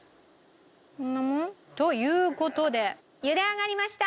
という事で茹で上がりました！